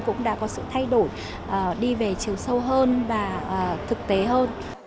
cũng đã có sự thay đổi đi về chiều sâu hơn và thực tế hơn